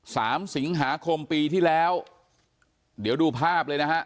สามสิงหาคมปีที่แล้วเดี๋ยวดูภาพเลยนะฮะ